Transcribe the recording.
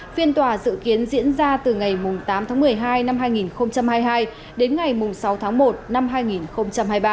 phiên tòa dự kiến diễn ra từ ngày tám tháng một mươi hai năm hai nghìn hai mươi hai đến ngày sáu tháng một năm hai nghìn hai mươi ba